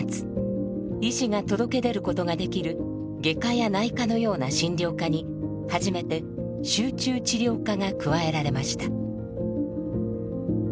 医師が届け出ることができる外科や内科のような診療科に初めて「集中治療科」が加えられました。